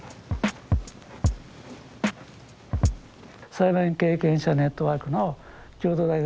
裁判員経験者ネットワークの共同代表